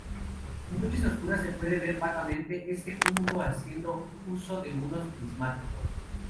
En noches oscuras se puede ver vagamente este cúmulo haciendo uso de unos prismáticos.